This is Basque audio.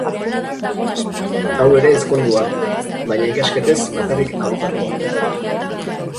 Hau ere ezkondua, baina ikasketez bakarrik abokatua.